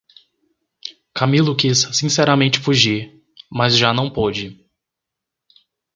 Camilo quis sinceramente fugir, mas já não pôde.